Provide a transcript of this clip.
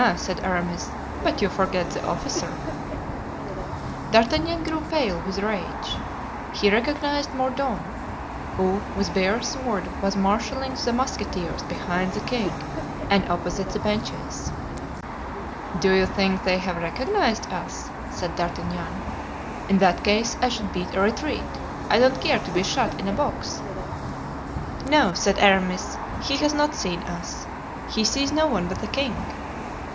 said Aramis, "but you forget the officer." D'Artagnan grew pale with rage. He recognized Mordaunt, who with bare sword was marshalling the musketeers behind the king and opposite the benches. "Do you think they have recognized us?" said D'Artagnan. "In that case I should beat a retreat. I don't care to be shot in a box." "No," said Aramis, "he has not seen us. He sees no one but the king.